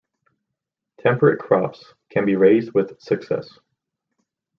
Temperate crops can be raised with success.